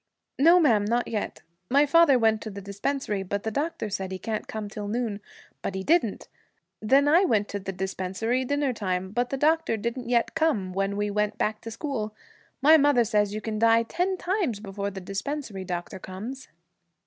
'No, ma'am, not yet. My father went to the dispensary but the doctor said he can't come till noon, but he didn't. Then I went to the dispensary, dinner time, but the doctor didn't yet come when we went back to school. My mother says you can die ten times before the dispensary doctor comes.'